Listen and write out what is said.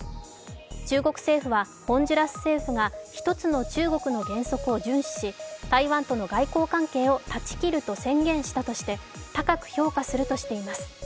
中国政府はホンジュラス政府が一つの中国の原則を遵守し台湾との外交関係を断ちきると宣言したことに対し高く評価するとしています。